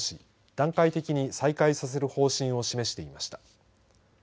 段階的に再開させる方針を示していました。